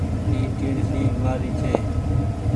اي ٽيڻسي مآري ڇي۔